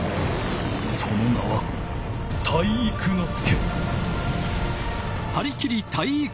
その名は体育ノ介！